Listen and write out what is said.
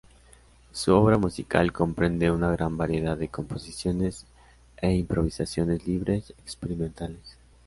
Su obra musical comprende una gran variedad de composiciones e improvisaciones libres experimentales.